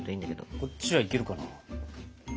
こっちはいけるかな。